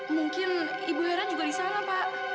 mungkin ibu heran juga di sana pak